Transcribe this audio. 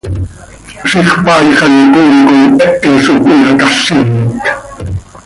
Ziix paaij ano coom com hehe zo cöiyacázinot.